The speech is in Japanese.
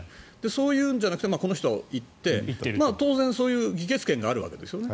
そういうんじゃなくてこの人、行って当然議決権があるわけですよね。